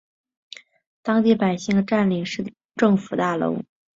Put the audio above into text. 当地百姓占领市政府大楼。